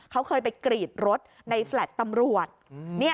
เขาเคยไปกรีดรถในแฟลต์ตำรวจ